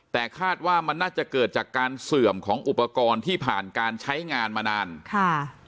แต่คาดว่ามันน่าจะเกิดจากการเสื่อมของอุปกรณ์ที่ผ่านการใช้งานมานานค่ะ